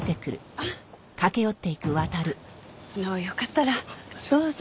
あのよかったらどうぞ。